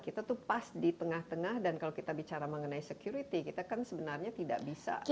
kita tuh pas di tengah tengah dan kalau kita bicara mengenai security kita kan sebenarnya tidak bisa